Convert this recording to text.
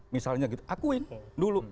misalnya gitu akuin dulu